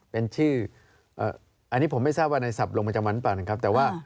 เป็นชื่ออันนี้ผมไม่ทราบว่าในศัพท์ลงมาจากวันปันครับแต่ว่า